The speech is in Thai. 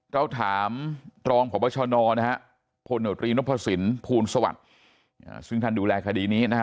เราถามตรองผบชนพนพสินพูนสวัสดิ์ซึ่งท่านดูแลคดีนี้